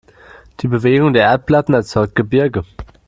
Die Bewegung der Erdplatten erzeugt Gebirge.